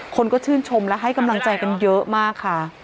คนก็ชื่นชมและให้กำลังใจกันเยอะมากค่ะ